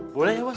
boleh ya bos